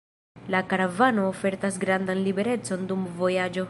La karavano ofertas grandan liberecon dum vojaĝo.